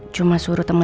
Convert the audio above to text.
cuma suruh temen gue